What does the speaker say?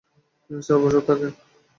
তিনি চার বছর থাকেন।